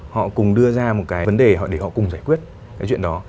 họ cùng đưa ra một cái vấn đề để họ cùng giải quyết cái chuyện đó